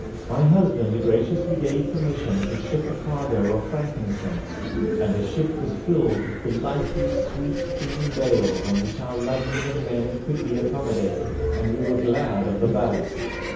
My husband graciously gave permission to ship a cargo of frankincense, and the ship was filled with delightfully sweet, clean bales, on which our luggage and men could be accommodated, and we were glad of the ballast.